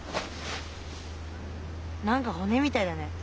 なんか骨みたいだね。